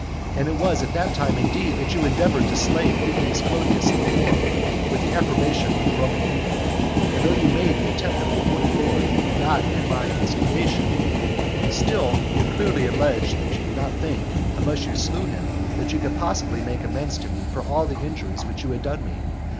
And it was at that time, indeed, that you endeavoured to slay Publius Clodius in the forum, with the approbation of the Roman people; and though you made the attempt of your own accord, and not at my instigation, still you clearly alleged that you did not think, unless you slew him, that you could possibly make amends to me for all the injuries which you had done me.